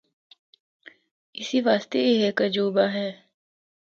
اسی واسطے اے ہک عجوبہ ہے۔